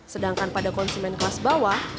sedangkan pada konsumen kelas bawah